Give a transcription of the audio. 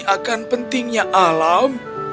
akan pentingnya alam